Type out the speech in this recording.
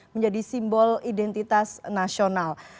menjadi simbol identitas nasional